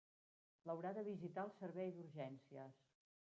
L'haurà de visitar el servei d'urgències.